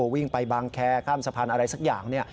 วิ่งไปบางแคร์ข้ามสะพานอะไรสักอย่าง